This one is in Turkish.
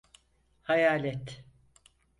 Hayalet.